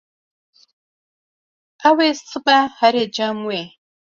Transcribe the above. Ew ê sibê here cem wê.